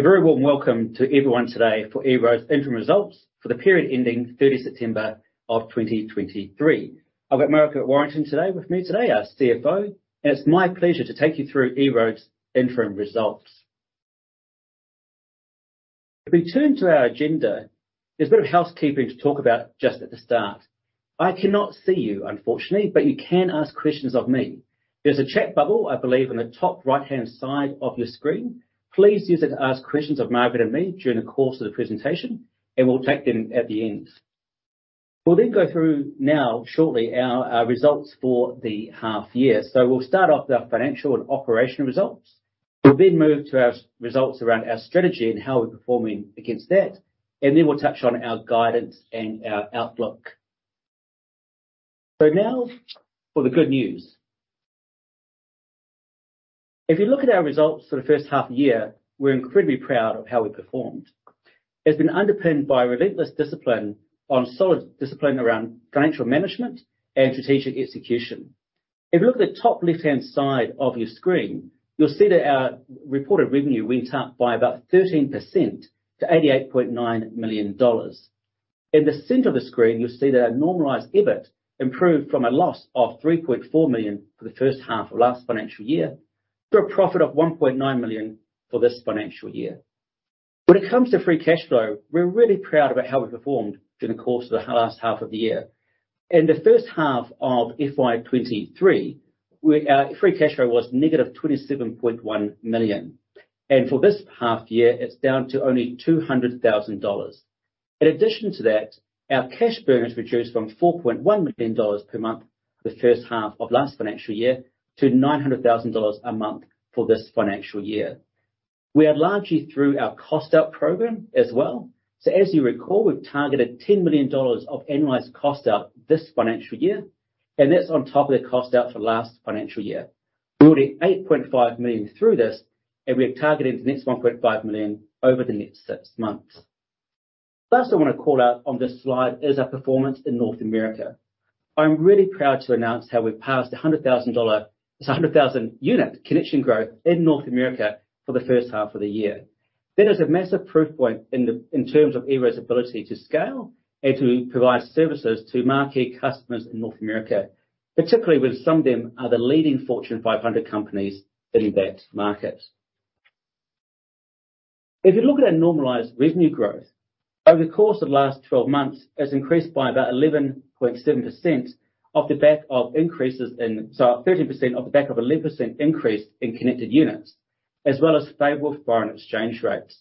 A very warm welcome to everyone today for EROAD's interim results for the period ending 30 September 2023. I've got Margaret Warrington today with me today, our CFO, and it's my pleasure to take you through EROAD's interim results. If we turn to our agenda, there's a bit of housekeeping to talk about just at the start. I cannot see you, unfortunately, but you can ask questions of me. There's a chat bubble, I believe, on the top right-hand side of your screen. Please use it to ask questions of Margaret and me during the course of the presentation, and we'll take them at the end. We'll then go through now, shortly, our results for the half year. So we'll start off with our financial and operational results. We'll then move to our results around our strategy and how we're performing against that, and then we'll touch on our guidance and our outlook. So now for the good news. If you look at our results for the first half of the year, we're incredibly proud of how we performed. It's been underpinned by relentless discipline on solid discipline around financial management and strategic execution. If you look at the top left-hand side of your screen, you'll see that our reported revenue went up by about 13% to 88.9 million dollars. In the center of the screen, you'll see that our normalized EBIT improved from a loss of 3.4 million for the first half of last financial year, to a profit of 1.9 million for this financial year. When it comes to free cash flow, we're really proud about how we performed during the course of the last half of the year. In the first half of FY 2023, our free cash flow was negative 27.1 million, and for this half year, it's down to only 200 thousand dollars. In addition to that, our cash burn has reduced from 4.1 million dollars per month, the first half of last financial year, to 900 thousand dollars a month for this financial year. We are largely through our cost out program as well. So as you recall, we've targeted 10 million dollars of annualized cost out this financial year, and that's on top of the cost out for last financial year. We're already 8.5 million through this, and we are targeting the next 1.5 million over the next six months. First, I want to call out on this slide, is our performance in North America. I'm really proud to announce how we've passed 100,000 unit connection growth in North America for the first half of the year. That is a massive proof point in terms of EROAD's ability to scale and to provide services to marquee customers in North America, particularly when some of them are the leading Fortune 500 companies in that market. If you look at our normalized revenue growth, over the course of the last 12 months, it's increased by about 11.7% off the back of increases in... So 13% off the back of 11% increase in connected units, as well as stable foreign exchange rates.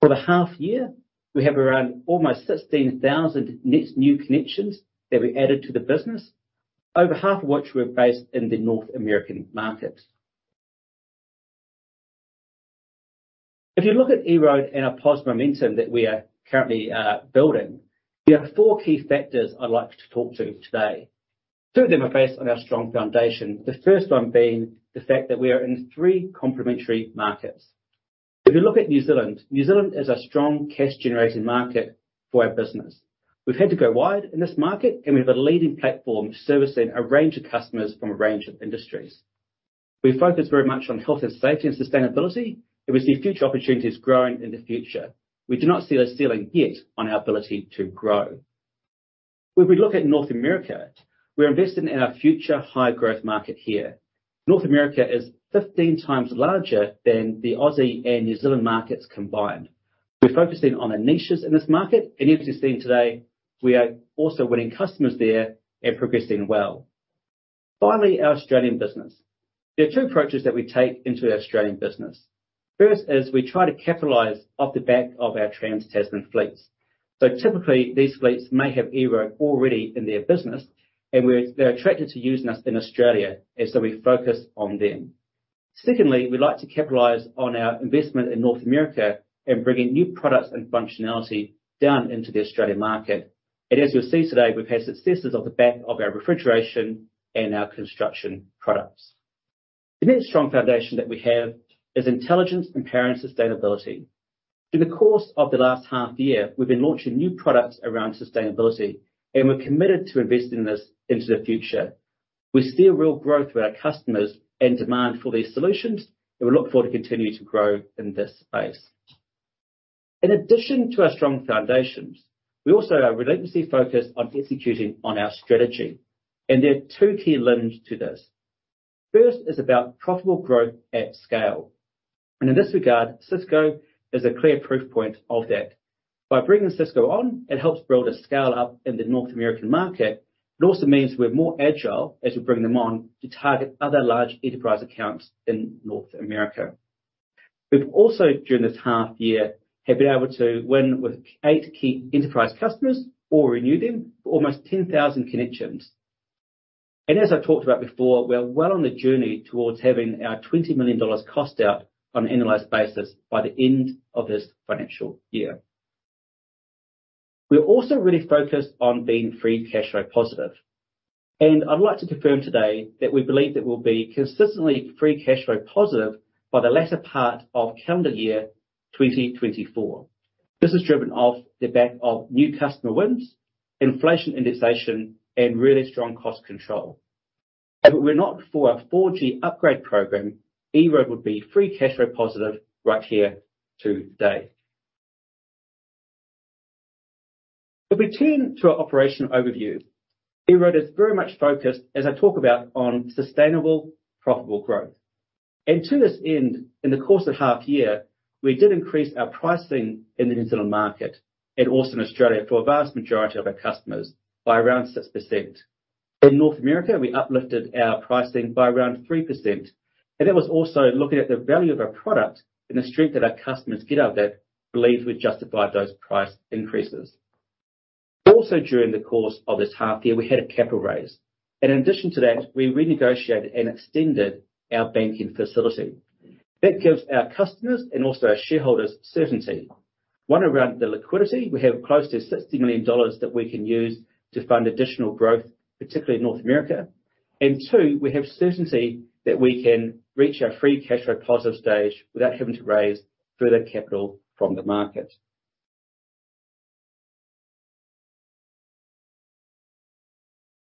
For the half year, we have around almost 16,000 net new connections that we added to the business, over half of which were based in the North American market. If you look at EROAD and our positive momentum that we are currently building, there are four key factors I'd like to talk to today. Two of them are based on our strong foundation. The first one being the fact that we are in three complementary markets. If you look at New Zealand, New Zealand is a strong cash-generating market for our business. We've had to go wide in this market, and we have a leading platform servicing a range of customers from a range of industries. We focus very much on health and safety and sustainability, and we see future opportunities growing in the future. We do not see a ceiling yet on our ability to grow. When we look at North America, we're investing in our future high-growth market here. North America is 15 times larger than the Aussie and New Zealand markets combined. We're focusing on our niches in this market, and as you've seen today, we are also winning customers there and progressing well. Finally, our Australian business. There are two approaches that we take into the Australian business. First is we try to capitalize off the back of our Trans-Tasman fleets. So typically, these fleets may have EROAD already in their business, and they're attracted to using us in Australia, and so we focus on them. Secondly, we like to capitalize on our investment in North America and bringing new products and functionality down into the Australian market. As you'll see today, we've had successes off the back of our refrigeration and our construction products. The next strong foundation that we have is intelligence and sustainability. In the course of the last half year, we've been launching new products around sustainability, and we're committed to investing this into the future. We see a real growth with our customers and demand for these solutions, and we look forward to continuing to grow in this space. In addition to our strong foundations, we also are relentlessly focused on executing on our strategy, and there are two key limbs to this. First is about profitable growth at scale, and in this regard, Sysco is a clear proof point of that. By bringing Sysco on, it helps build a scale-up in the North American market. It also means we're more agile as we bring them on to target other large enterprise accounts in North America. We've also, during this half year, have been able to win with eight key enterprise customers or renew them for almost 10,000 connections. And as I've talked about before, we are well on the journey towards having our 20 million dollars cost out on an annualized basis by the end of this financial year. We're also really focused on being free cash flow positive, and I'd like to confirm today that we believe that we'll be consistently free cash flow positive by the latter part of calendar year 2024. This is driven off the back of new customer wins, inflation indexation, and really strong cost control. If it were not for our 4G upgrade program, EROAD would be free cash flow positive right here today. If we turn to our operational overview, EROAD is very much focused, as I talk about, on sustainable, profitable growth. To this end, in the course of half year, we did increase our pricing in the New Zealand market and also in Australia for a vast majority of our customers by around 6%. In North America, we uplifted our pricing by around 3%, and that was also looking at the value of our product and the strength that our customers get out of that, believe we've justified those price increases. Also, during the course of this half year, we had a capital raise, and in addition to that, we renegotiated and extended our banking facility. That gives our customers and also our shareholders certainty. One, around the liquidity. We have close to $60 million that we can use to fund additional growth, particularly in North America. And two, we have certainty that we can reach our free cash flow positive stage without having to raise further capital from the market.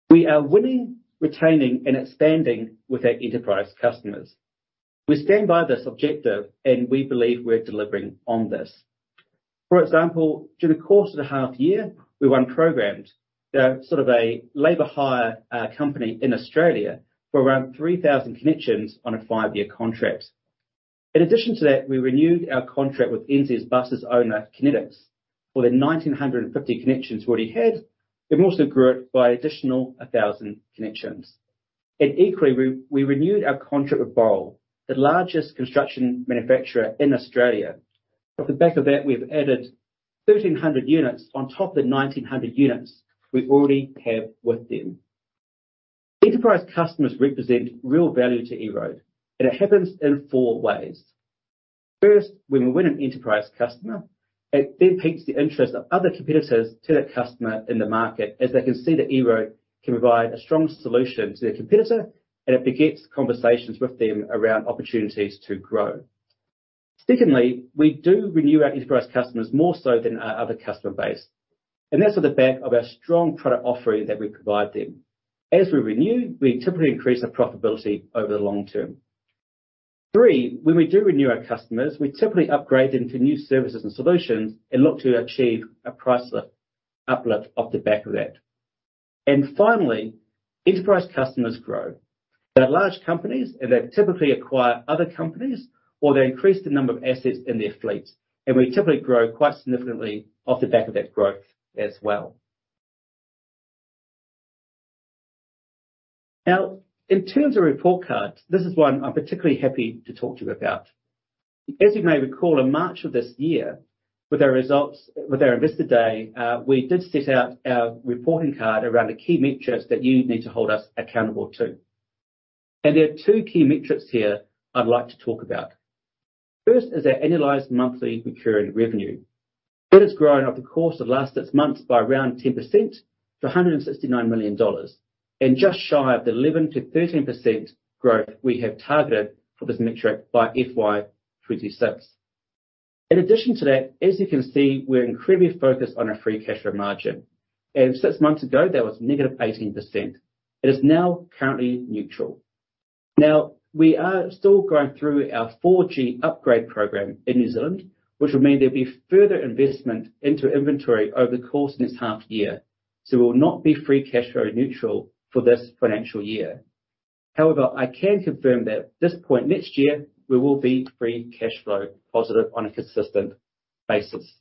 We are winning, retaining, and expanding with our enterprise customers. We stand by this objective and we believe we're delivering on this. For example, during the course of the half year, we won Programmed, sort of a labor hire company in Australia for around 3,000 connections on a 5-year contract. In addition to that, we renewed our contract with NZ Bus's owner, Kinetic, for the 1,950 connections we already had. It also grew it by additional a 1,000 connections. And equally, we renewed our contract with Boral, the largest construction manufacturer in Australia. Off the back of that, we've added 1,300 units on top of the 1,900 units we already have with them. Enterprise customers represent real value to EROAD, and it happens in four ways. First, when we win an enterprise customer, it then piques the interest of other competitors to that customer in the market, as they can see that EROAD can provide a strong solution to their competitor, and it begets conversations with them around opportunities to grow. Secondly, we do renew our enterprise customers more so than our other customer base, and that's off the back of our strong product offering that we provide them. As we renew, we typically increase our profitability over the long term. Three, when we do renew our customers, we typically upgrade them to new services and solutions and look to achieve a price lift - uplift off the back of that. And finally, enterprise customers grow. They're large companies, and they typically acquire other companies or they increase the number of assets in their fleet, and we typically grow quite significantly off the back of that growth as well. Now, in terms of report card, this is one I'm particularly happy to talk to you about. As you may recall, in March of this year, with our results, with our Investor Day, we did set out our reporting card around the key metrics that you need to hold us accountable to. And there are two key metrics here I'd like to talk about. First is our annualized monthly recurring revenue. That has grown over the course of the last six months by around 10% to 169 million dollars, and just shy of the 11%-13% growth we have targeted for this metric by FY 2026. In addition to that, as you can see, we're incredibly focused on our free cash flow margin, and six months ago that was -18%. It is now currently neutral. Now, we are still going through our 4G upgrade program in New Zealand, which will mean there'll be further investment into inventory over the course of this half year. So we'll not be free cash flow neutral for this financial year. However, I can confirm that at this point next year we will be free cash flow positive on a consistent basis.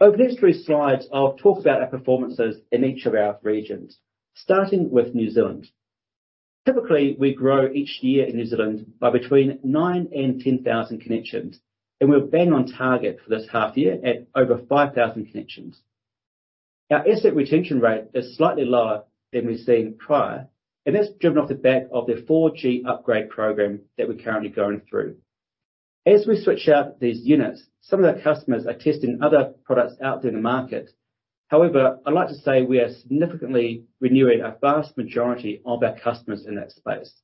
Over these three slides, I'll talk about our performances in each of our regions, starting with New Zealand. Typically, we grow each year in New Zealand by between 9,000 and 10,000 connections, and we're bang on target for this half year at over 5,000 connections. Our asset retention rate is slightly lower than we've seen prior, and that's driven off the back of the 4G upgrade program that we're currently going through. As we switch out these units, some of our customers are testing other products out there in the market. However, I'd like to say we are significantly renewing a vast majority of our customers in that space.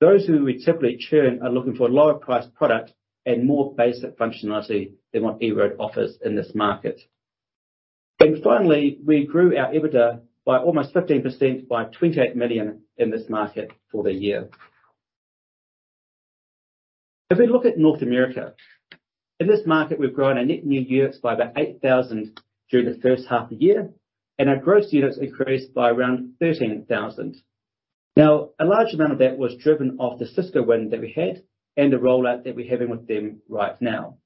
Those who we typically churn are looking for a lower priced product and more basic functionality than what EROAD offers in this market. And finally, we grew our EBITDA by almost 15%, by 28 million in this market for the year. If we look at North America, in this market, we've grown our net new units by about 8,000 during the first half of the year, and our gross units increased by around 13,000. Now, a large amount of that was driven off the Sysco win that we had and the rollout that we're having with them right now.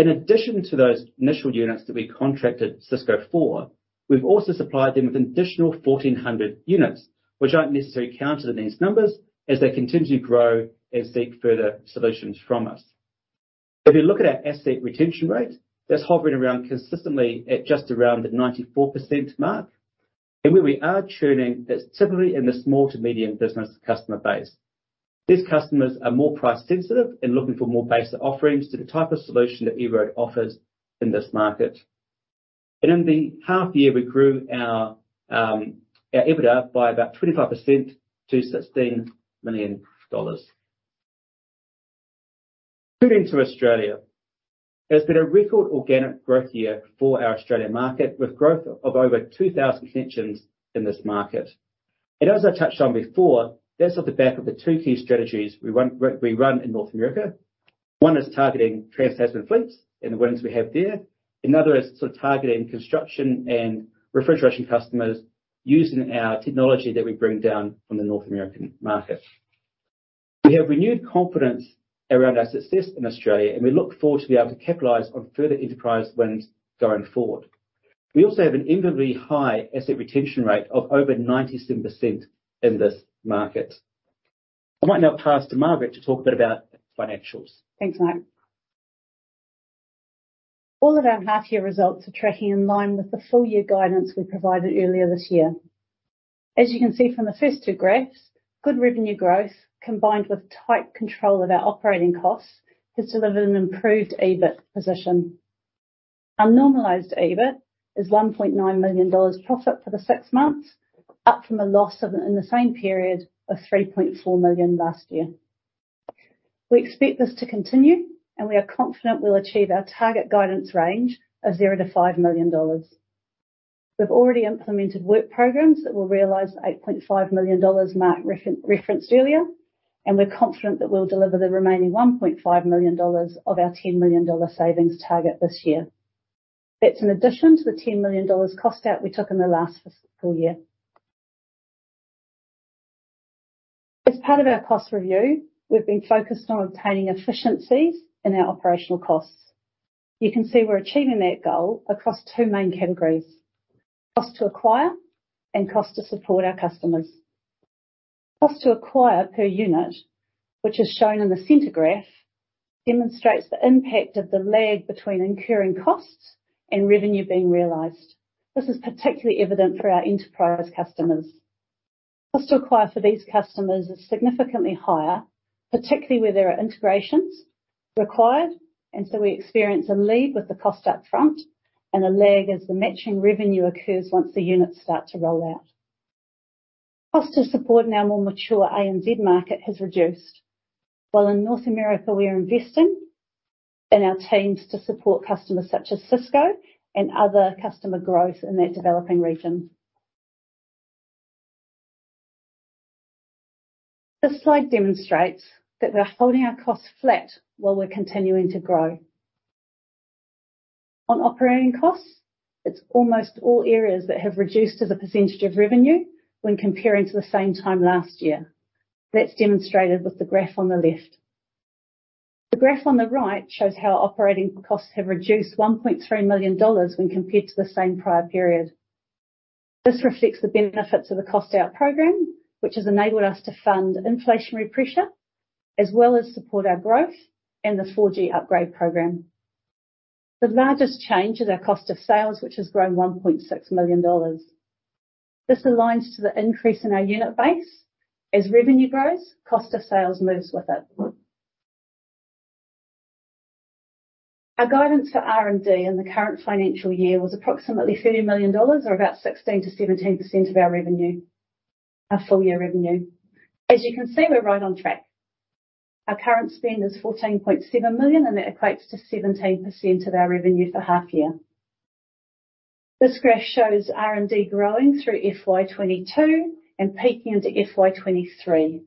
In addition to those initial units that we contracted Sysco for, we've also supplied them with an additional 1,400 units, which aren't necessarily counted in these numbers, as they continue to grow and seek further solutions from us. If you look at our asset retention rate, that's hovering around consistently at just around the 94% mark, and where we are churning, that's typically in the small to medium business customer base. These customers are more price sensitive and looking for more basic offerings to the type of solution that EROAD offers in this market. In the half year, we grew our EBITDA by about 25% to 16 million dollars. Turning to Australia. It's been a record organic growth year for our Australian market, with growth of over 2,000 connections in this market. As I touched on before, that's off the back of the two key strategies we run in North America. One is targeting Trans-Tasman fleets and the winnings we have there. Another is sort of targeting construction and refrigeration customers using our technology that we bring down from the North American market. We have renewed confidence around our success in Australia, and we look forward to be able to capitalize on further enterprise wins going forward. We also have an incredibly high asset retention rate of over 97% in this market. I might now pass to Margaret to talk a bit about financials. Thanks, Mark. All of our half year results are tracking in line with the full year guidance we provided earlier this year. As you can see from the first two graphs, good revenue growth, combined with tight control of our operating costs, has delivered an improved EBIT position. Our normalized EBIT is 1.9 million dollars profit for the six months, up from a loss in the same period of 3.4 million last year. We expect this to continue, and we are confident we'll achieve our target guidance range of 0-5 million dollars. We've already implemented work programs that will realize the 8.5 million dollars Mark referenced earlier, and we're confident that we'll deliver the remaining 1.5 million dollars of our 10 million dollar savings target this year. That's in addition to the $10 million cost out we took in the last fiscal year. As part of our cost review, we've been focused on obtaining efficiencies in our operational costs. You can see we're achieving that goal across two main categories: cost to acquire and cost to support our customers. Cost to acquire per unit, which is shown in the center graph, demonstrates the impact of the lag between incurring costs and revenue being realized. This is particularly evident for our enterprise customers. Cost to acquire for these customers is significantly higher, particularly where there are integrations required, and so we experience a lead with the cost up front and a lag as the matching revenue occurs once the units start to roll out. Cost to support in our more mature ANZ market has reduced, while in North America we are investing in our teams to support customers such as Sysco and other customer growth in that developing region. This slide demonstrates that we're holding our costs flat while we're continuing to grow. On operating costs, it's almost all areas that have reduced as a percentage of revenue when comparing to the same time last year. That's demonstrated with the graph on the left. The graph on the right shows how operating costs have reduced 1.3 million dollars when compared to the same prior period. This reflects the benefits of the cost out program, which has enabled us to fund inflationary pressure, as well as support our growth and the 4G upgrade program. The largest change is our cost of sales, which has grown 1.6 million dollars. This aligns to the increase in our unit base. As revenue grows, cost of sales moves with it. Our guidance for R&D in the current financial year was approximately 30 million dollars, or about 16%-17% of our revenue, our full year revenue. As you can see, we're right on track. Our current spend is 14.7 million, and that equates to 17% of our revenue for half year. This graph shows R&D growing through FY 2022 and peaking into FY 2023.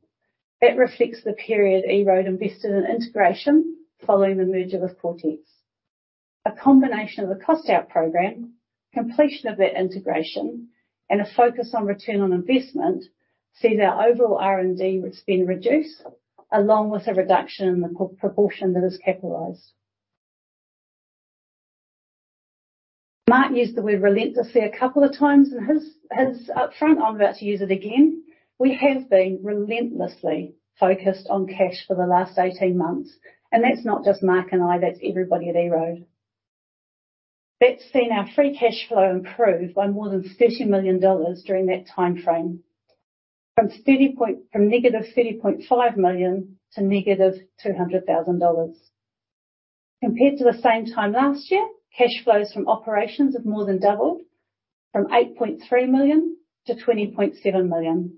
That reflects the period EROAD invested in integration following the merger with Coretex. A combination of the cost out program, completion of that integration, and a focus on return on investment sees our overall R&D spend reduce, along with a reduction in the proportion that is capitalized. Mark used the word relentlessly a couple of times in his upfront. I'm about to use it again. We have been relentlessly focused on cash for the last 18 months, and that's not just Mark and I, that's everybody at EROAD. That's seen our free cash flow improve by more than 30 million dollars during that timeframe, from negative 30.5 million to negative 200,000 dollars. Compared to the same time last year, cash flows from operations have more than doubled from 8.3 million to 20.7 million.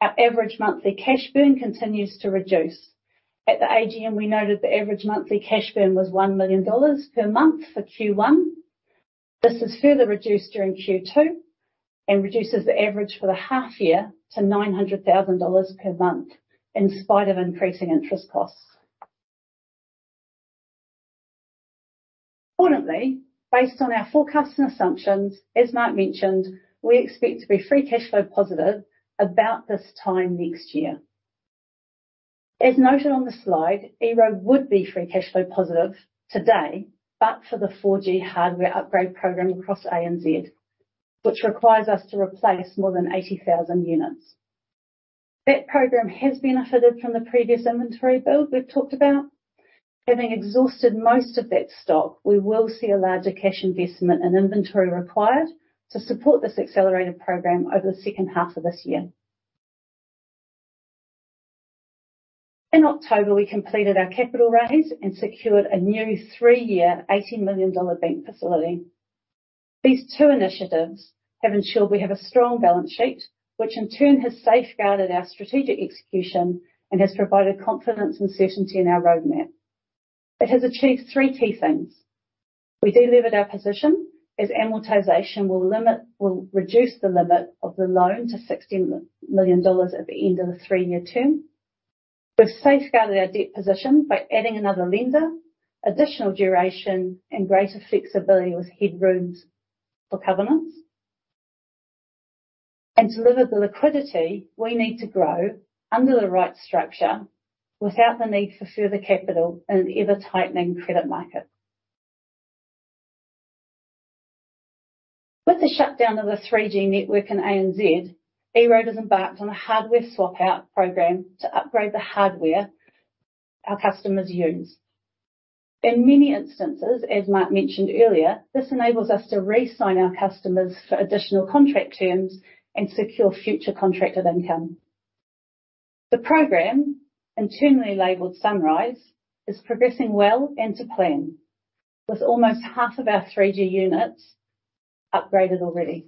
Our average monthly cash burn continues to reduce. At the AGM, we noted the average monthly cash burn was 1 million dollars per month for Q1. This is further reduced during Q2 and reduces the average for the half year to 900,000 dollars per month, in spite of increasing interest costs. Importantly, based on our forecast and assumptions, as Mark mentioned, we expect to be free cash flow positive about this time next year. As noted on the slide, EROAD would be free cash flow positive today, but for the 4G hardware upgrade program across ANZ, which requires us to replace more than 80,000 units. That program has benefited from the previous inventory build we've talked about. Having exhausted most of that stock, we will see a larger cash investment and inventory required to support this accelerated program over the second half of this year. In October, we completed our capital raise and secured a new three-year, 80 million dollar bank facility.... These two initiatives have ensured we have a strong balance sheet, which in turn has safeguarded our strategic execution and has provided confidence and certainty in our roadmap. It has achieved three key things: We de-levered our position, as amortization will reduce the limit of the loan to 60 million dollars at the end of the three-year term. We've safeguarded our debt position by adding another lender, additional duration, and greater flexibility with headrooms for covenants. And delivered the liquidity we need to grow under the right structure without the need for further capital in an ever-tightening credit market. With the shutdown of the 3G network in ANZ, EROAD has embarked on a hardware swap-out program to upgrade the hardware our customers use. In many instances, as Mark mentioned earlier, this enables us to re-sign our customers for additional contract terms and secure future contracted income. The program, internally labeled Sunrise, is progressing well and to plan, with almost half of our 3G units upgraded already.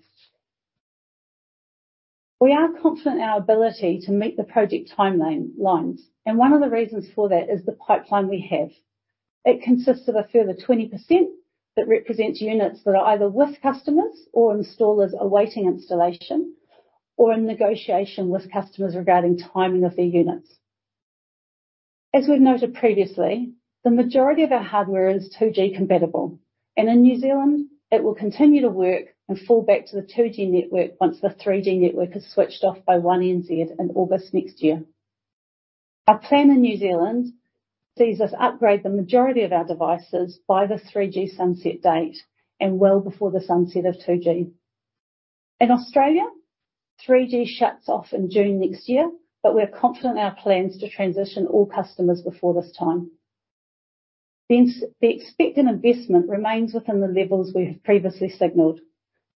We are confident in our ability to meet the project timeline, lines, and one of the reasons for that is the pipeline we have. It consists of a further 20% that represents units that are either with customers or installers awaiting installation, or in negotiation with customers regarding timing of their units. As we've noted previously, the majority of our hardware is 2G compatible, and in New Zealand, it will continue to work and fall back to the 2G network once the 3G network is switched off by One NZ in August next year. Our plan in New Zealand sees us upgrade the majority of our devices by the 3G sunset date and well before the sunset of 2G. In Australia, 3G shuts off in June next year, but we're confident in our plans to transition all customers before this time. Since the expected investment remains within the levels we have previously signaled,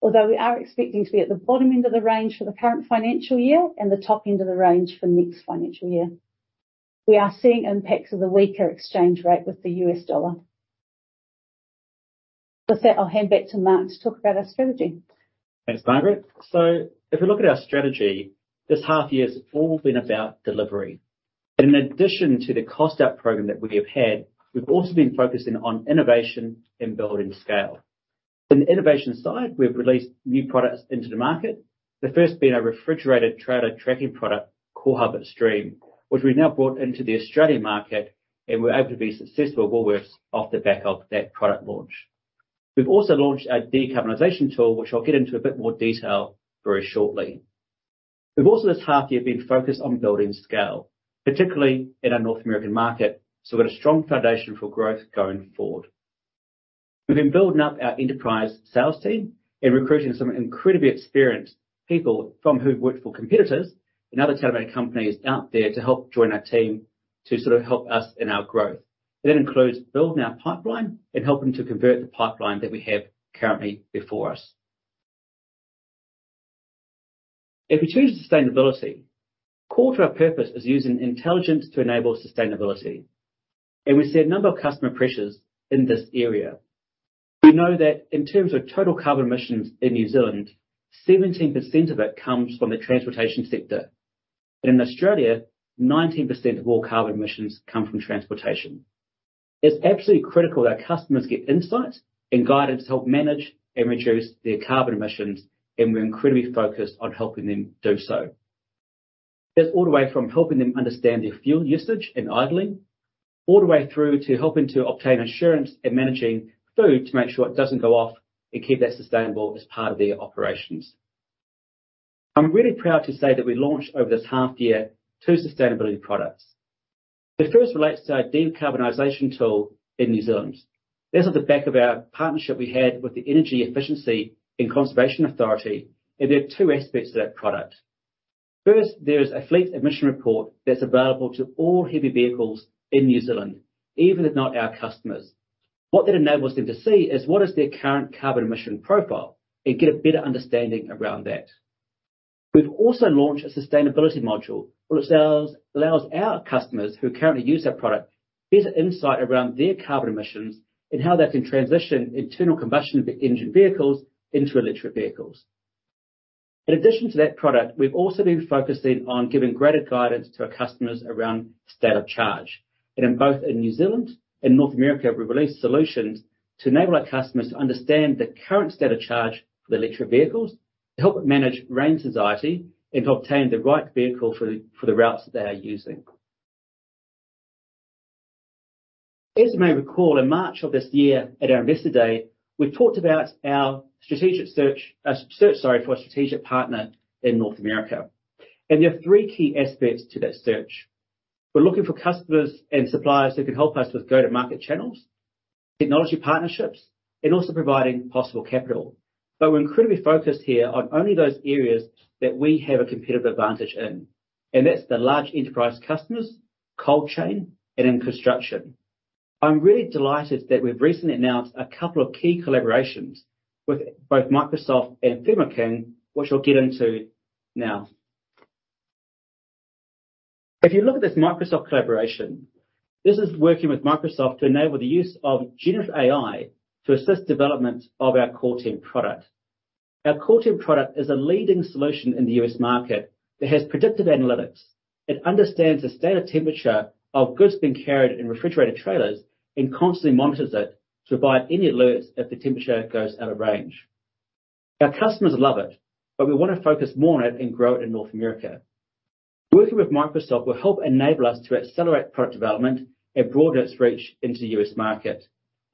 although we are expecting to be at the bottom end of the range for the current financial year and the top end of the range for next financial year, we are seeing impacts of the weaker exchange rate with the US dollar. With that, I'll hand back to Mark to talk about our strategy. Thanks, Margaret. So if you look at our strategy, this half year has all been about delivery. In addition to the cost out program that we have had, we've also been focusing on innovation and building scale. In the innovation side, we've released new products into the market. The first being our refrigerated trailer tracking product, CoreHub Xtreme, which we've now brought into the Australian market, and we're able to be successful at Woolworths off the back of that product launch. We've also launched our decarbonization tool, which I'll get into a bit more detail very shortly. We've also this half year been focused on building scale, particularly in our North American market, so we've got a strong foundation for growth going forward. We've been building up our enterprise sales team and recruiting some incredibly experienced people who've worked for competitors and other telematics companies out there to help join our team, to sort of help us in our growth. That includes building our pipeline and helping to convert the pipeline that we have currently before us. If we turn to sustainability, core to our purpose is using intelligence to enable sustainability, and we see a number of customer pressures in this area. We know that in terms of total carbon emissions in New Zealand, 17% of it comes from the transportation sector, and in Australia, 19% of all carbon emissions come from transportation. It's absolutely critical that our customers get insight and guidance to help manage and reduce their carbon emissions, and we're incredibly focused on helping them do so. It's all the way from helping them understand their fuel usage and idling, all the way through to helping to obtain insurance and managing food, to make sure it doesn't go off and keep that sustainable as part of their operations. I'm really proud to say that we launched, over this half year, two sustainability products. The first relates to our decarbonization tool in New Zealand. This is on the back of our partnership we had with the Energy Efficiency and Conservation Authority, and there are two aspects to that product. First, there is a fleet emissions report that's available to all heavy vehicles in New Zealand, even if not our customers. What that enables them to see is what is their current carbon emission profile and get a better understanding around that. We've also launched a sustainability module, which allows our customers who currently use our product better insight around their carbon emissions and how they can transition internal combustion engine vehicles into electric vehicles. In addition to that product, we've also been focusing on giving greater guidance to our customers around state of charge. And in both New Zealand and North America, we've released solutions to enable our customers to understand the current state of charge for the electric vehicles, to help manage range anxiety, and to obtain the right vehicle for the routes that they are using. As you may recall, in March of this year, at our Investor Day, we talked about our strategic search for a strategic partner in North America, and there are three key aspects to that search. We're looking for customers and suppliers who can help us with go-to-market channels, technology partnerships, and also providing possible capital. But we're incredibly focused here on only those areas that we have a competitive advantage in, and that's the large enterprise customers, cold chain, and in construction. I'm really delighted that we've recently announced a couple of key collaborations with both Microsoft and Thermo King, which I'll get into now. ... If you look at this Microsoft collaboration, this is working with Microsoft to enable the use of generative AI to assist development of our cold chain product. Our cold chain product is a leading solution in the U.S. market that has predictive analytics. It understands the state of temperature of goods being carried in refrigerated trailers, and constantly monitors it to provide any alerts if the temperature goes out of range. Our customers love it, but we want to focus more on it and grow it in North America. Working with Microsoft will help enable us to accelerate product development and broaden its reach into the US market,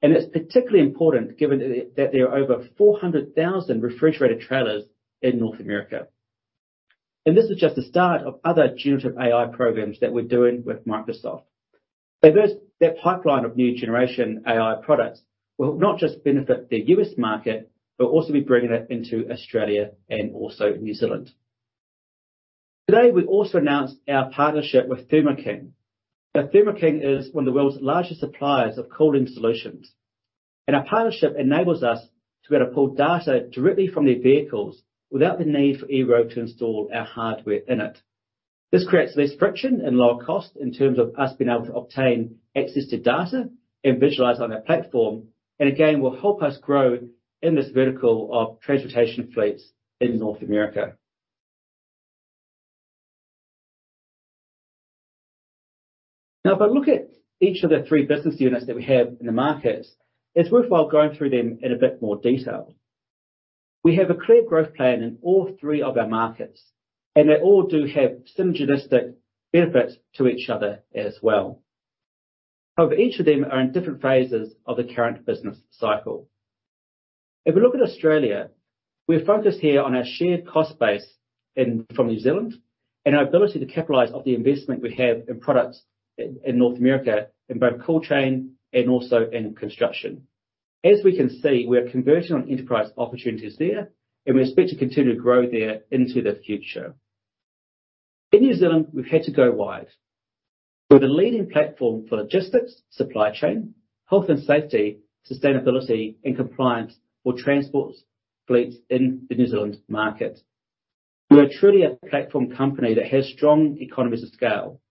and it's particularly important given that there are over 400,000 refrigerated trailers in North America. This is just the start of other generative AI programs that we're doing with Microsoft. There's that pipeline of new generation AI products will not just benefit the US market, but also we're bringing it into Australia and also New Zealand. Today, we also announced our partnership with Thermo King. Now, Thermo King is one of the world's largest suppliers of cooling solutions, and our partnership enables us to be able to pull data directly from their vehicles without the need for EROAD to install our hardware in it. This creates less friction and lower cost in terms of us being able to obtain access to data and visualize on our platform, and again, will help us grow in this vertical of transportation fleets in North America. Now, if I look at each of the three business units that we have in the markets, it's worthwhile going through them in a bit more detail. We have a clear growth plan in all three of our markets, and they all do have synergistic benefits to each other as well. However, each of them are in different phases of the current business cycle. If we look at Australia, we're focused here on our shared cost base in, from New Zealand and our ability to capitalize off the investment we have in products in North America, in both cold chain and also in construction. As we can see, we are converting on enterprise opportunities there, and we expect to continue to grow there into the future. In New Zealand, we've had to go wide. We're the leading platform for logistics, supply chain, health and safety, sustainability, and compliance for transport fleets in the New Zealand market. We are truly a platform company that has strong economies of scale.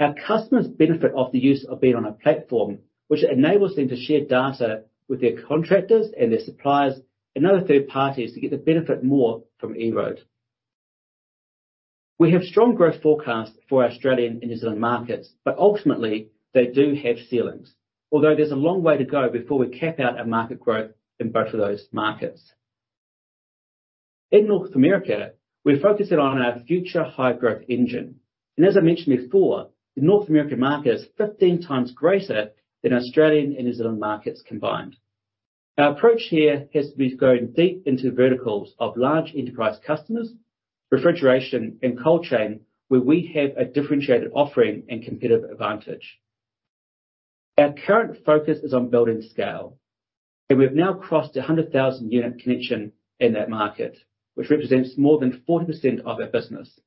Our customers benefit off the use of being on a platform, which enables them to share data with their contractors and their suppliers and other third parties to get the benefit more from EROAD. We have strong growth forecasts for our Australian and New Zealand markets, but ultimately they do have ceilings, although there's a long way to go before we cap out our market growth in both of those markets. In North America, we're focusing on our future high growth engine, and as I mentioned before, the North American market is 15 times greater than Australian and New Zealand markets combined. Our approach here has to be going deep into the verticals of large enterprise customers, refrigeration, and cold chain, where we have a differentiated offering and competitive advantage. Our current focus is on building scale, and we've now crossed 100,000 unit connection in that market, which represents more than 40% of our business.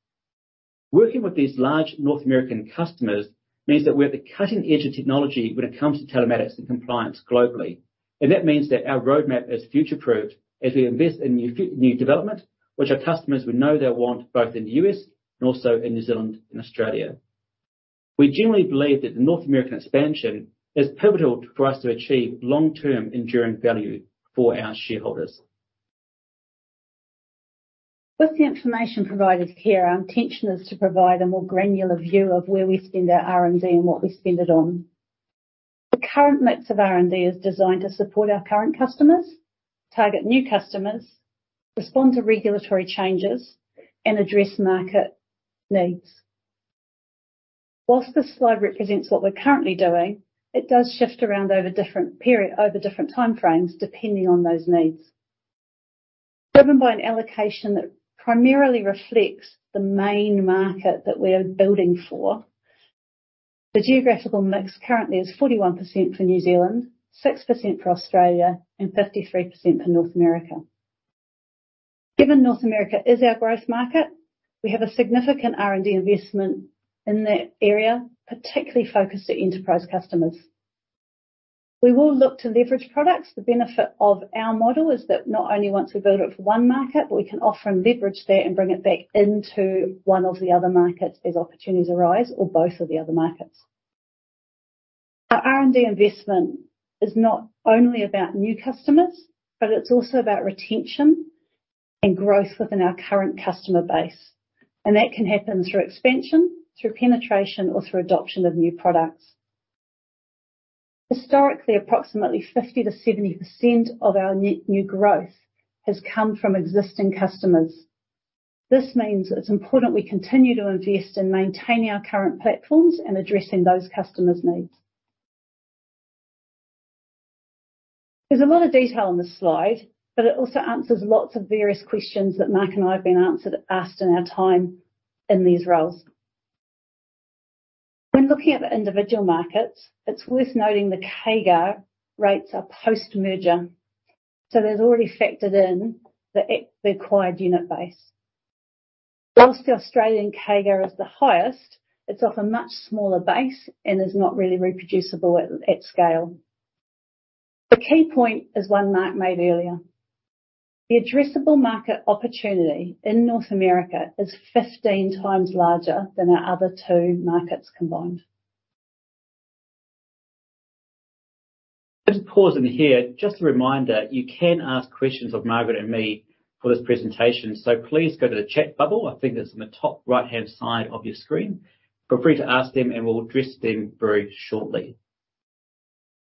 Working with these large North American customers means that we're at the cutting edge of technology when it comes to telematics and compliance globally. And that means that our roadmap is future-proofed as we invest in new development, which our customers we know they want, both in the U.S. and also in New Zealand and Australia. We generally believe that the North American expansion is pivotal for us to achieve long-term, enduring value for our shareholders. With the information provided here, our intention is to provide a more granular view of where we spend our R&D and what we spend it on. The current mix of R&D is designed to support our current customers, target new customers, respond to regulatory changes, and address market needs. While this slide represents what we're currently doing, it does shift around over different period, over different time frames, depending on those needs. Driven by an allocation that primarily reflects the main market that we are building for, the geographical mix currently is 41% for New Zealand, 6% for Australia, and 53% for North America. Given North America is our growth market, we have a significant R&D investment in that area, particularly focused at enterprise customers. We will look to leverage products. The benefit of our model is that not only once we build it for one market, but we can offer and leverage that and bring it back into one of the other markets as opportunities arise, or both of the other markets. Our R&D investment is not only about new customers, but it's also about retention and growth within our current customer base. That can happen through expansion, through penetration, or through adoption of new products. Historically, approximately 50%-70% of our net new growth has come from existing customers. This means it's important we continue to invest in maintaining our current platforms and addressing those customers' needs. There's a lot of detail on this slide, but it also answers lots of various questions that Mark and I have been answered, asked in our time in these roles. When looking at the individual markets, it's worth noting the CAGR rates are post-merger, so there's already factored in the acquired unit base. While the Australian CAGR is the highest, it's off a much smaller base and is not really reproducible at scale. The key point is one Mark made earlier. The addressable market opportunity in North America is 15 times larger than our other two markets combined. Just pause in here. Just a reminder, you can ask questions of Margaret and me for this presentation, so please go to the chat bubble. I think it's on the top right-hand side of your screen. Feel free to ask them, and we'll address them very shortly.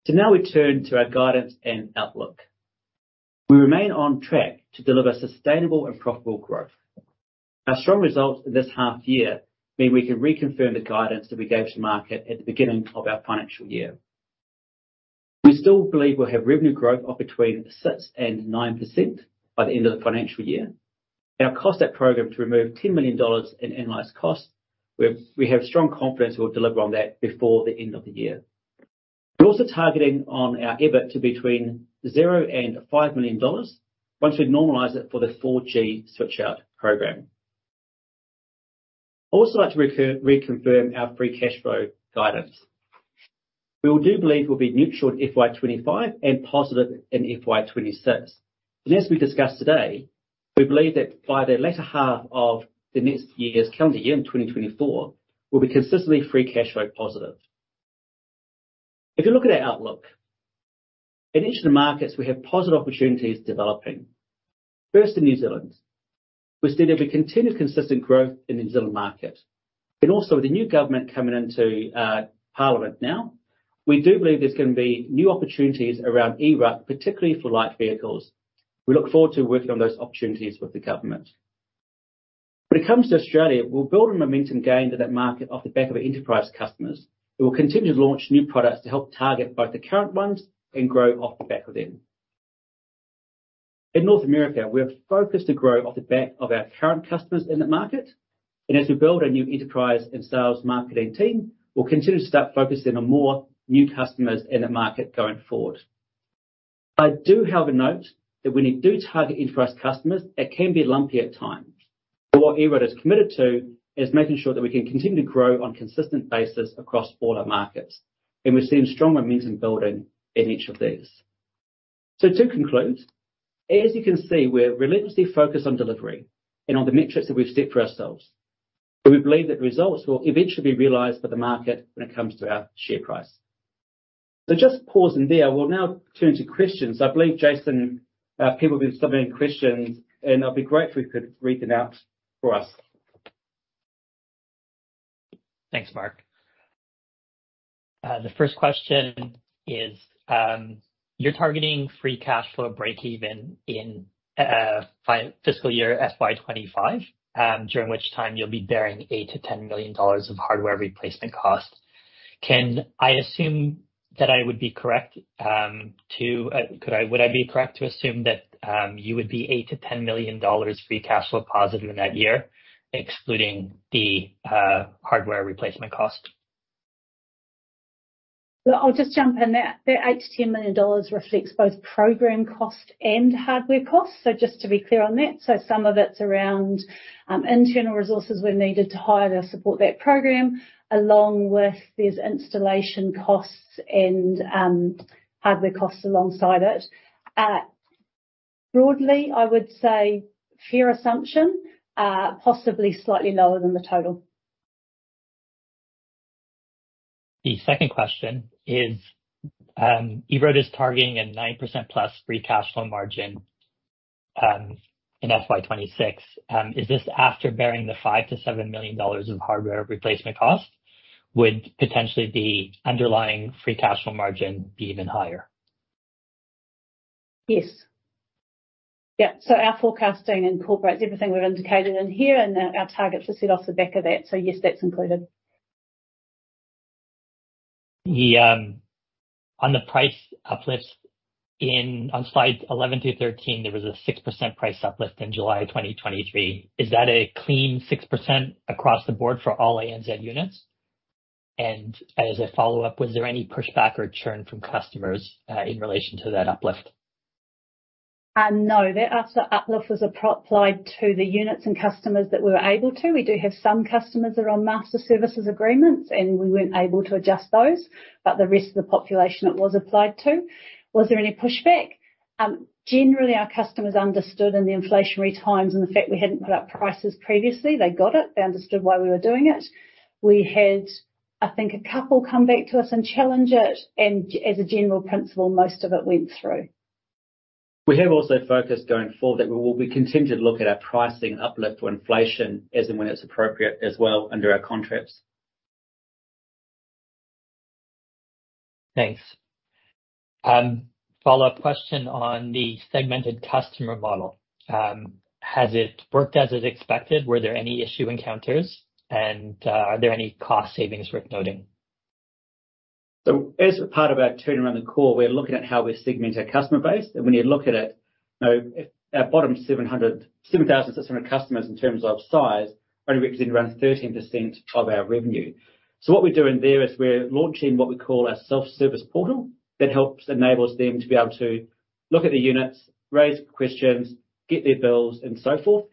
So now we turn to our guidance and outlook. We remain on track to deliver sustainable and profitable growth. Our strong results in this half year mean we can reconfirm the guidance that we gave to the market at the beginning of our financial year. We still believe we'll have revenue growth of between 6% and 9% by the end of the financial year, and our cost out program to remove 10 million dollars in annualized costs. We have strong confidence we'll deliver on that before the end of the year. We're also targeting on our EBITDA to between 0 and 5 million dollars once we normalize it for the 4G switchout program. I'd also like to reconfirm our free cash flow guidance. We do believe we'll be neutral in FY 25 and positive in FY 26. And as we discussed today, we believe that by the latter half of the next year's calendar year, in 2024, we'll be consistently free cash flow positive. If you look at our outlook, in each of the markets, we have positive opportunities developing. First, in New Zealand, we see there'll be continued consistent growth in the New Zealand market. And also, with the new government coming into parliament now, we do believe there's going to be new opportunities around eRUC, particularly for light vehicles. We look forward to working on those opportunities with the government. When it comes to Australia, we'll build on momentum gained in that market off the back of our enterprise customers. We will continue to launch new products to help target both the current ones and grow off the back of them. In North America, we are focused to grow off the back of our current customers in that market, and as we build our new enterprise and sales marketing team, we'll continue to start focusing on more new customers in the market going forward. I do have a note that when you do target enterprise customers, it can be lumpy at times. But what EROAD is committed to is making sure that we can continue to grow on a consistent basis across all our markets, and we're seeing strong momentum building in each of these. So to conclude, as you can see, we're relentlessly focused on delivering and on the metrics that we've set for ourselves, and we believe that results will eventually be realized by the market when it comes to our share price. So just pausing there, we'll now turn to questions. I believe, Jason, people have been submitting questions, and I'll be grateful if you could read them out for us. Thanks, Mark. The first question is, you're targeting free cash flow breakeven in fiscal year FY 2025, during which time you'll be bearing 8 million-10 million dollars of hardware replacement costs. Can I assume that I would be correct to assume that you would be 8 million-10 million dollars free cash flow positive in that year, excluding the hardware replacement cost? Well, I'll just jump in there. The 8 million-10 million dollars reflects both program costs and hardware costs. So just to be clear on that, so some of it's around internal resources we needed to hire to support that program, along with these installation costs and hardware costs alongside it. Broadly, I would say fair assumption, possibly slightly lower than the total. The second question is, EROAD is targeting a 9%+ free cash flow margin in FY 2026. Is this after bearing the 5 million-7 million dollars of hardware replacement cost? Would potentially the underlying free cash flow margin be even higher? Yes. Yeah. So our forecasting incorporates everything we've indicated in here, and our targets are set off the back of that. So yes, that's included. On the price uplifts, on slide 11-13, there was a 6% price uplift in July of 2023. Is that a clean 6% across the board for all ANZ units? And as a follow-up, was there any pushback or churn from customers in relation to that uplift? No. That upsell uplift was applied to the units and customers that we were able to. We do have some customers that are on master services agreements, and we weren't able to adjust those, but the rest of the population, it was applied to. Was there any pushback? Generally, our customers understood in the inflationary times and the fact we hadn't put up prices previously. They got it. They understood why we were doing it. We had, I think, a couple come back to us and challenge it, and as a general principle, most of it went through. We have also focused going forward, that we will be continuing to look at our pricing uplift to inflation as and when it's appropriate as well, under our contracts. Thanks. Follow-up question on the segmented customer model. Has it worked as expected? Were there any issue encounters? And are there any cost savings worth noting? As a part of our turn around the core, we're looking at how we segment our customer base. When you look at it, you know, if our bottom 700–7,600 customers in terms of size only represent around 13% of our revenue. What we're doing there is we're launching what we call our self-service portal. That helps enables them to be able to look at the units, raise questions, get their bills, and so forth...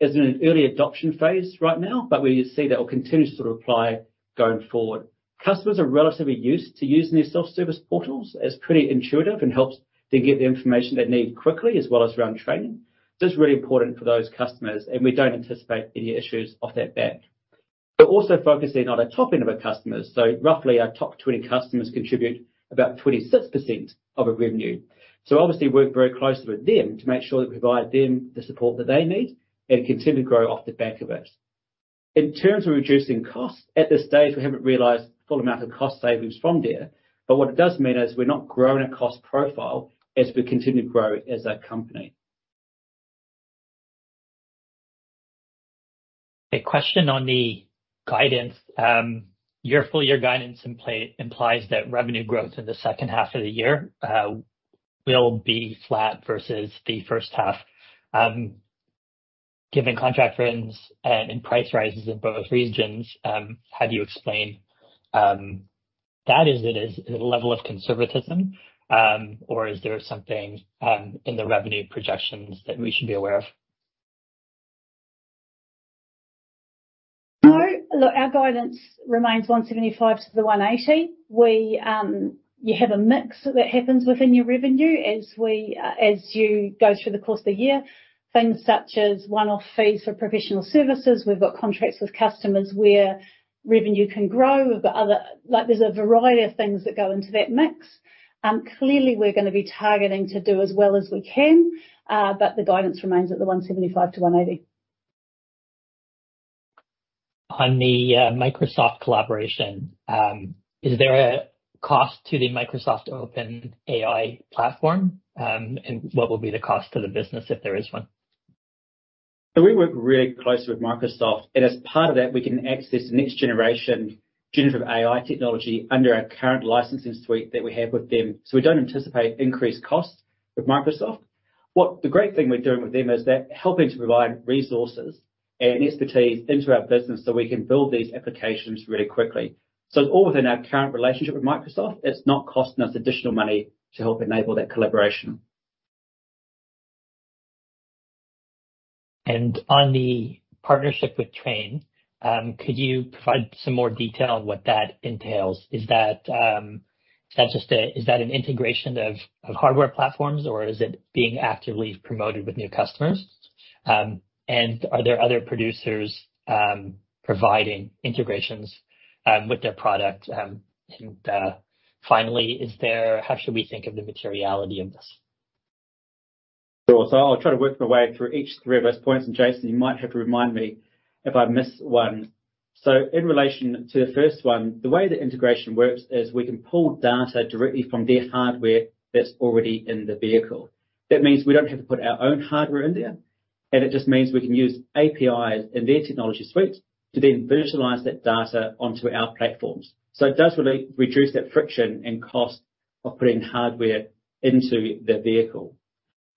It's in an early adoption phase right now, but we see that it will continue to apply going forward. Customers are relatively used to using their self-service portals. It's pretty intuitive and helps them get the information they need quickly, as well as around training. It's really important for those customers, and we don't anticipate any issues off that back. We're also focusing on our top end of our customers. So roughly our top 20 customers contribute about 26% of our revenue. So obviously, we work very closely with them to make sure that we provide them the support that they need and continue to grow off the back of it. In terms of reducing costs, at this stage, we haven't realized the full amount of cost savings from there, but what it does mean is we're not growing our cost profile as we continue to grow as a company. A question on the guidance. Your full year guidance implies that revenue growth in the second half of the year will be flat versus the first half. Given contract wins and price rises in both regions, how do you explain that? Is it a level of conservatism, or is there something in the revenue projections that we should be aware of? No. Look, our guidance remains 175 million-180 million. You have a mix that happens within your revenue as you go through the course of the year, things such as one-off fees for professional services. We've got contracts with customers where revenue can grow. We've got other... Like, there's a variety of things that go into that mix. Clearly, we're gonna be targeting to do as well as we can, but the guidance remains at the 175 million-180 million. On the Microsoft collaboration, is there a cost to the Microsoft OpenAI platform? And what will be the cost to the business if there is one? So we work really closely with Microsoft, and as part of that, we can access next generation generative AI technology under our current licensing suite that we have with them. So we don't anticipate increased costs with Microsoft. What the great thing we're doing with them is they're helping to provide resources and expertise into our business so we can build these applications really quickly. So it's all within our current relationship with Microsoft. It's not costing us additional money to help enable that collaboration. On the partnership with Trane, could you provide some more detail on what that entails? Is that just an integration of hardware platforms, or is it being actively promoted with new customers? And are there other producers providing integrations with their product? And, finally, how should we think of the materiality of this? Sure. So I'll try to work my way through each three of those points, and Jason, you might have to remind me if I miss one. So in relation to the first one, the way the integration works is we can pull data directly from their hardware that's already in the vehicle. That means we don't have to put our own hardware in there, and it just means we can use APIs in their technology suite to then visualize that data onto our platforms. So it does really reduce that friction and cost of putting hardware into the vehicle.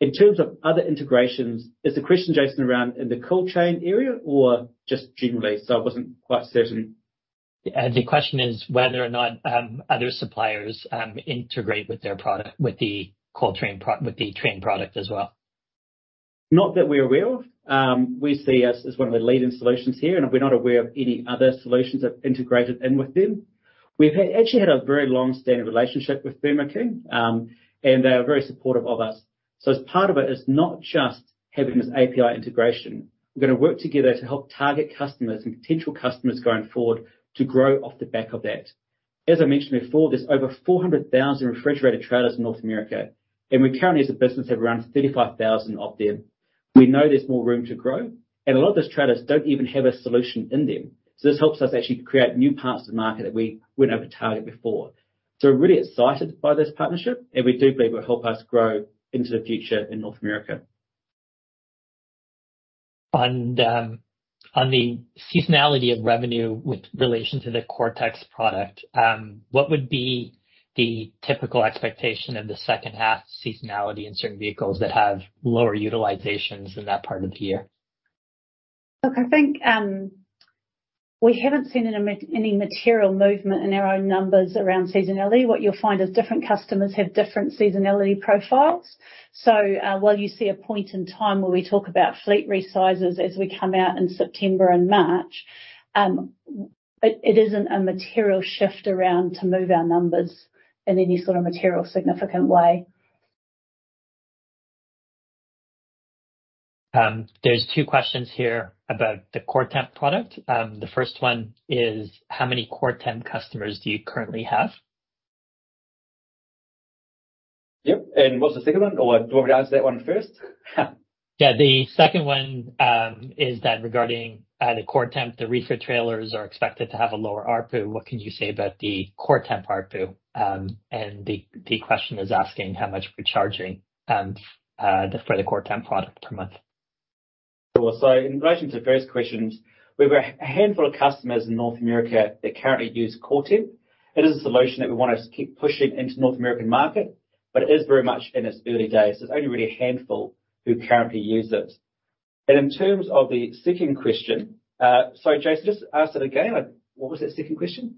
In terms of other integrations, is the question, Jason, around in the cold chain area or just generally? So I wasn't quite certain. The question is whether or not other suppliers integrate with their product, with the cold chain with the Trane product as well. Not that we're aware of. We see us as one of the leading solutions here, and we're not aware of any other solutions that have integrated in with them. We've had actually had a very long-standing relationship with Thermo King, and they are very supportive of us. So as part of it, it's not just having this API integration. We're gonna work together to help target customers and potential customers going forward to grow off the back of that. As I mentioned before, there's over 400,000 refrigerated trailers in North America, and we currently, as a business, have around 35,000 of them. We know there's more room to grow, and a lot of those trailers don't even have a solution in them. So this helps us actually create new parts of the market that we wouldn't able to target before. We're really excited by this partnership, and we do believe it will help us grow into the future in North America. On the seasonality of revenue with relation to the Coretex product, what would be the typical expectation of the second half seasonality in certain vehicles that have lower utilizations in that part of the year? Look, I think, we haven't seen any material movement in our own numbers around seasonality. What you'll find is different customers have different seasonality profiles. So, while you see a point in time where we talk about fleet resizes as we come out in September and March, it isn't a material shift around to move our numbers in any sort of material, significant way. There's two questions here about the CoreTemp product. The first one is: How many CoreTemp customers do you currently have? Yep, and what's the second one, or do you want me to answer that one first? Yeah, the second one is that regarding the CoreTemp, the reefer trailers are expected to have a lower ARPU. What can you say about the CoreTemp ARPU? And the question is asking how much we're charging for the CoreTemp product per month. Well, so in relation to the first questions, we've a handful of customers in North America that currently use CoreTemp. It is a solution that we want to keep pushing into the North American market, but it is very much in its early days. There's only really a handful who currently use it. And in terms of the second question, sorry, Jason, just ask that again. What was that second question?...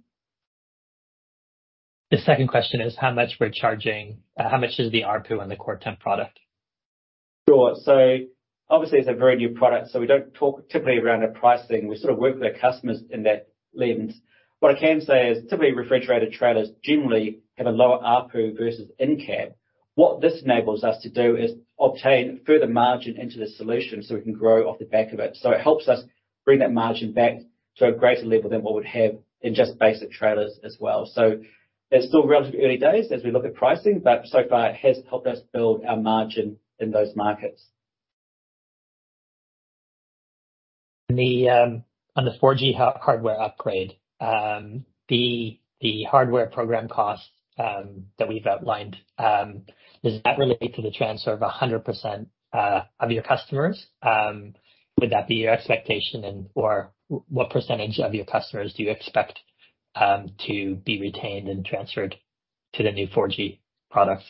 The second question is, how much we're charging? How much is the ARPU on the CoreTemp product? Sure. So obviously, it's a very new product, so we don't talk typically around our pricing. We sort of work with our customers in that lens. What I can say is, typically, refrigerated trailers generally have a lower ARPU versus in-cab. What this enables us to do is obtain further margin into the solution, so we can grow off the back of it. So it helps us bring that margin back to a greater level than what we'd have in just basic trailers as well. So it's still relatively early days as we look at pricing, but so far it has helped us build our margin in those markets. On the 4G hardware upgrade, the hardware program costs that we've outlined, does that relate to the transfer of 100% of your customers? Would that be your expectation and/or what percentage of your customers do you expect to be retained and transferred to the new 4G products?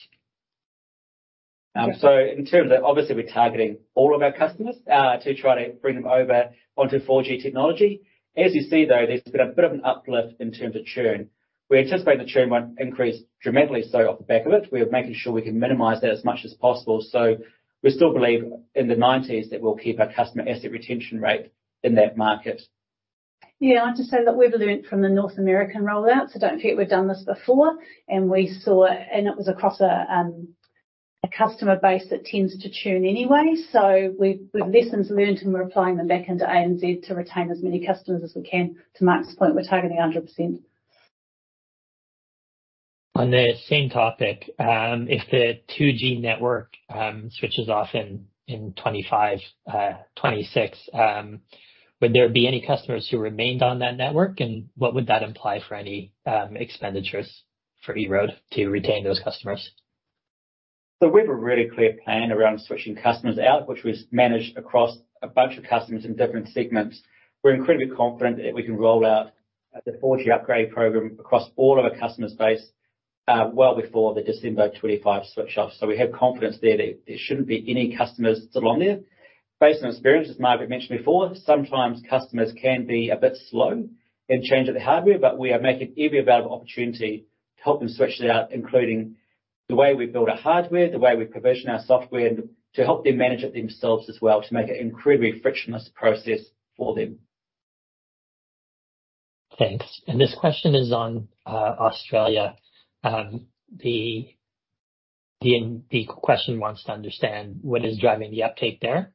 So in terms of... Obviously, we're targeting all of our customers to try to bring them over onto 4G technology. As you see, though, there's been a bit of an uplift in terms of churn. We anticipate the churn won't increase dramatically, so off the back of it, we are making sure we can minimize that as much as possible. So we still believe in the 90s that we'll keep our customer asset retention rate in that market. Yeah, I'd just say that we've learned from the North American rollout, so don't forget, we've done this before, and we saw it, and it was across a customer base that tends to churn anyway. So we've lessons learned, and we're applying them back into ANZ to retain as many customers as we can. To Mark's point, we're targeting 100%. On the same topic, if the 2G network switches off in 2025-2026, would there be any customers who remained on that network? And what would that imply for any expenditures for EROAD to retain those customers? We have a really clear plan around switching customers out, which was managed across a bunch of customers in different segments. We're incredibly confident that we can roll out the 4G upgrade program across all of our customer base well before the December 2025 switch off. We have confidence there that there shouldn't be any customers still on there. Based on experience, as Margaret mentioned before, sometimes customers can be a bit slow in change of the hardware, but we are making every available opportunity to help them switch it out, including the way we build our hardware, the way we provision our software, to help them manage it themselves as well, to make it an incredibly frictionless process for them. Thanks. This question is on Australia. The question wants to understand what is driving the uptake there,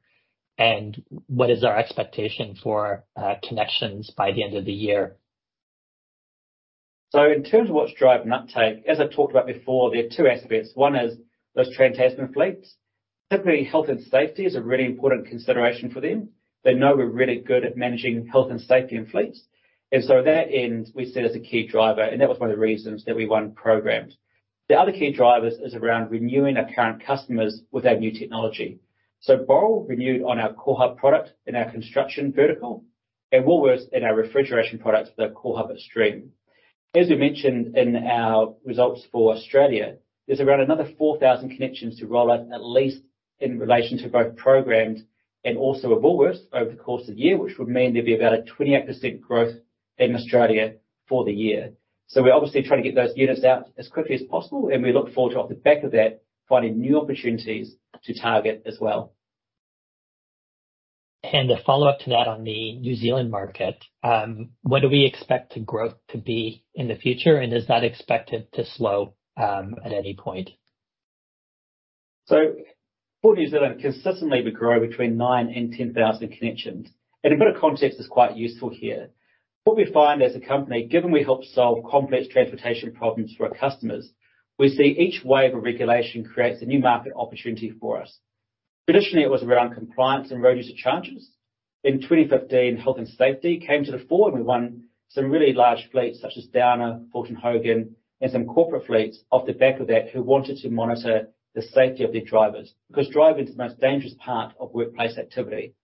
and what is our expectation for connections by the end of the year? So in terms of what's driving uptake, as I talked about before, there are two aspects. One is those Trans-Tasman fleets. Typically, health and safety is a really important consideration for them. They know we're really good at managing health and safety in fleets, and so that end we see as a key driver, and that was one of the reasons that we won programs. The other key drivers is around renewing our current customers with our new technology. So Boral renewed on our CoreHub product in our construction vertical, and Woolworths in our refrigeration products, the CoreHub Xtreme. As we mentioned in our results for Australia, there's around another 4,000 connections to roll out, at least in relation to both programs, and also of Woolworths over the course of the year, which would mean there'd be about a 28% growth in Australia for the year. We're obviously trying to get those units out as quickly as possible, and we look forward to, off the back of that, finding new opportunities to target as well. A follow-up to that on the New Zealand market, what do we expect the growth to be in the future, and is that expected to slow, at any point? So for New Zealand, consistently, we grow between 9,000 and 10,000 connections, and a bit of context is quite useful here. What we find as a company, given we help solve complex transportation problems for our customers, we see each wave of regulation creates a new market opportunity for us. Traditionally, it was around compliance and road user charges. In 2015, health and safety came to the fore, and we won some really large fleets, such as Downer, Fulton Hogan, and some corporate fleets off the back of that, who wanted to monitor the safety of their drivers, because driving is the most dangerous part of workplace activity.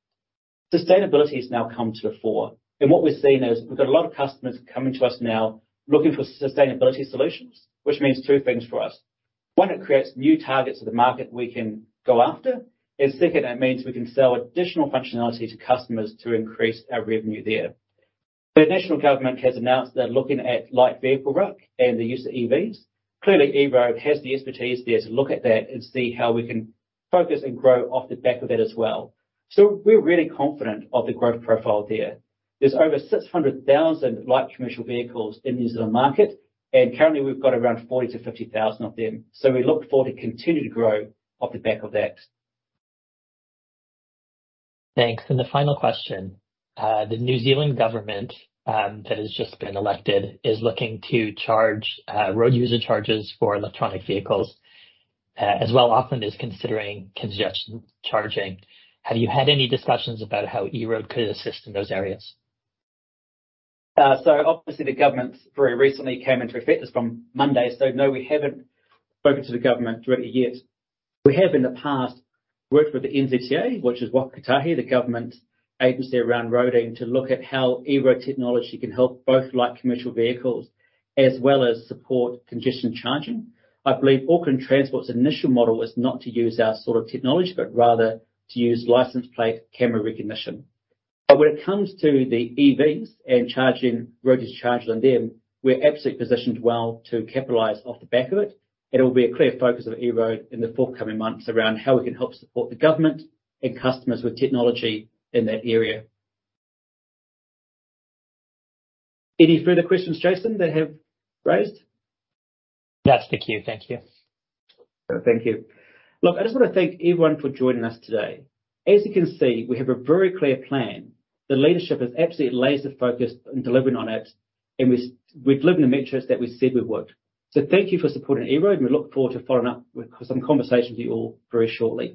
Sustainability has now come to the fore, and what we're seeing is, we've got a lot of customers coming to us now looking for sustainability solutions, which means two things for us. One, it creates new targets of the market we can go after. And second, it means we can sell additional functionality to customers to increase our revenue there. The national government has announced they're looking at light vehicle RUC and the use of EVs. Clearly, EROAD has the expertise there to look at that and see how we can focus and grow off the back of that as well. So we're really confident of the growth profile there. There's over 600,000 light commercial vehicles in the New Zealand market, and currently we've got around 40,000-50,000 of them. So we look forward to continuing to grow off the back of that. Thanks. And the final question. The New Zealand government that has just been elected is looking to charge road user charges for electric vehicles as well often is considering congestion charging. Have you had any discussions about how EROAD could assist in those areas? So obviously, the government very recently came into effect, as from Monday, so no, we haven't spoken to the government directly yet. We have, in the past, worked with the NZTA, which is Waka Kotahi, the government agency around roading, to look at how EROAD technology can help both light commercial vehicles, as well as support congestion charging. I believe Auckland Transport's initial model was not to use our sort of technology, but rather to use license plate camera recognition. But when it comes to the EVs and charging, road user charge on them, we're absolutely positioned well to capitalize off the back of it. It'll be a clear focus of EROAD in the forthcoming months around how we can help support the government and customers with technology in that area. Any further questions, Jason, that have raised? That's the queue. Thank you. Thank you. Look, I just want to thank everyone for joining us today. As you can see, we have a very clear plan. The leadership is absolutely laser-focused on delivering on it, and we've delivered the metrics that we said we would. So thank you for supporting EROAD, and we look forward to following up with some conversations with you all very shortly.